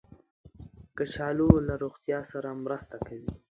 کچالو له روغتیا سره مرسته کوي